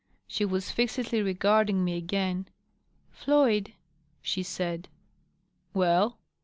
She was fixedly r^arding me again. " Floyd," she saii "Well?"